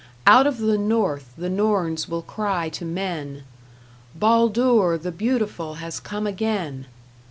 Out of the North the norns will cry to men: "Baldur the Beautiful has come again!"